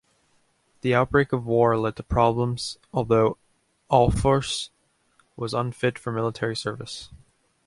The outbreak of war led to problems although Ahlfors was unfit for military service.